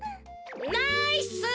ナイス！